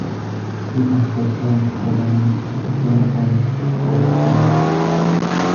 In aspect-oriented programming a set of join points is called a pointcut.